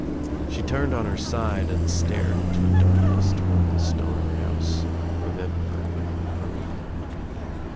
She turned on her side and stared into the darkness toward the Stoner house remembering her girlhood.